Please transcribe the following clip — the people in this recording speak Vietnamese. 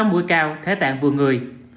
sáu mũi cao thế tạng vừa người